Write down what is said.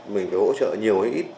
mình phải hỗ trợ nhiều hay ít